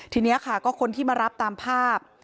ทีนี้ค่ะก็คนที่มารับตามภาพ